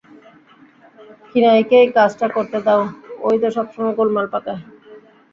কিনাইকেই কাজটা করতে দাও, ও-ই তো সবসময় গোলমাল পাকায়।